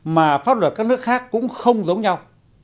mà pháp luật các nước khác cũng không giống nhau